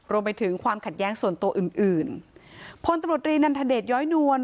รวมไปถึงความขัดแย้งส่วนตัวอื่นอื่นพลตำรวจรีนันทเดชย้อยนวล